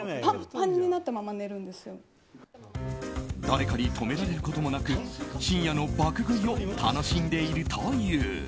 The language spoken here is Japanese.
誰かに止められることもなく深夜の爆食いを楽しんでいるという。